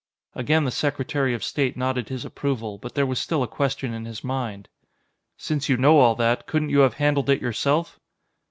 Again the Secretary of State nodded his approval, but there was still a question in his mind. "Since you know all that, couldn't you have handled it yourself?"